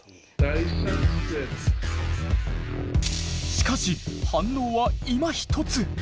しかし反応はいまひとつ。